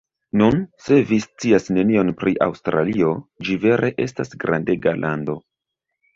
Nun, se vi scias nenion pri Aŭstralio, ĝi vere estas grandega lando.